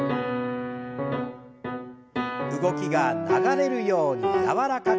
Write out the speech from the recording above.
動きが流れるように柔らかく。